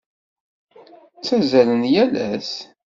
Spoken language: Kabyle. Ttazzalen yal ass?